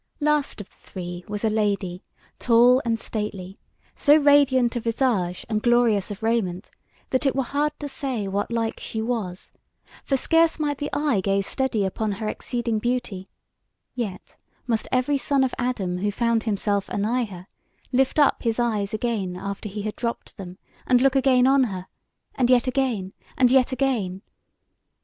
Last of the three was a lady, tall and stately, so radiant of visage and glorious of raiment, that it were hard to say what like she was; for scarce might the eye gaze steady upon her exceeding beauty; yet must every son of Adam who found himself anigh her, lift up his eyes again after he had dropped them, and look again on her, and yet again and yet again.